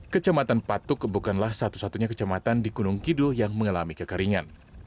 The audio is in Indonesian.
kecamatan patuk bukanlah satu satunya kecamatan di gunung kidul yang mengalami kekeringan